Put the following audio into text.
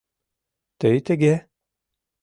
Тый тыге?!